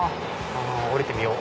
降りてみよう。